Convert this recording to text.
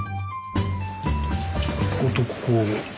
こことここを。